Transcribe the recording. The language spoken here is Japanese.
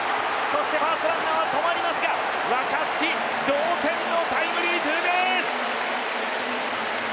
そしてファーストランナーは止まりますが若月、同点のタイムリーツーベース！